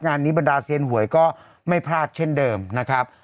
งานนี้บรรดาเซียนหวยก็ไม่พลาดเช่นเดิมนะครับ